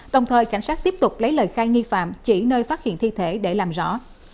đồng thời cảnh sát tiếp tục lấy lời khai nghi phạm chỉ nơi phát hiện thi thể để làm rõ